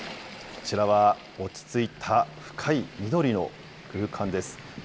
こちらは、落ち着いた深い緑の空間です。